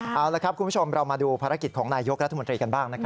เอาละครับคุณผู้ชมเรามาดูภารกิจของนายยกรัฐมนตรีกันบ้างนะครับ